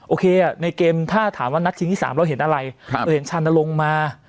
โอเคในเกมถ้าถามว่านัดชิงที่๓เราเห็นอะไรเราเห็นชานลงมา